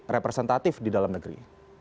representatif di dalam negeri